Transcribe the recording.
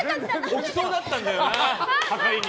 置きそうだったんだよなはかりに。